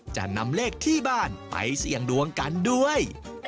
จะนำเลขที่บ้านไปเสี่ยงดวงกันด้วย